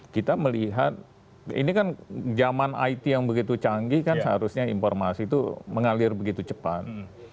kita melihat ini kan zaman it yang begitu canggih kan seharusnya informasi itu mengalir begitu cepat